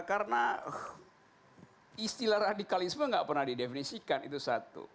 karena istilah radikalisme enggak pernah didefinisikan itu satu